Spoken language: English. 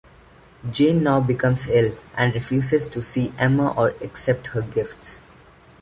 Jane now becomes ill, and refuses to see Emma or accept her gifts.